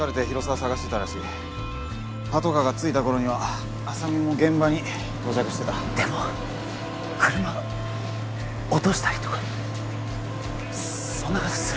捜してたらしいパトカーが着いた頃には浅見も現場に到着してたでも車落としたりとかそんなことする？